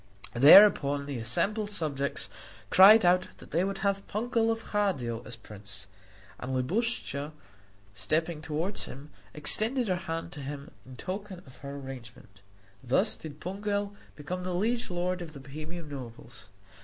Thereupon the assembled subjects cried out that they would have Pungel of Hadio as prince; and Libuscha, stepping toward him, extended her hand to him in token of her agreement. Thus did Pungel become the liege lord of the Bohemian nobles.